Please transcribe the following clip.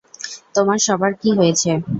তোমার সবার কী হয়েছে?